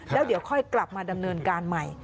แล้วเดี๋ยวค่อยกลับมาดำเนินการใหม่